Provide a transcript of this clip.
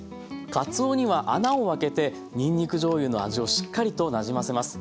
かつおには穴を開けてにんにくじょうゆの味をしっかりとなじませます。